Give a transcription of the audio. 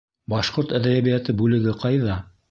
Башҡорт әҙәбиәте бүлеге ҡайҙа?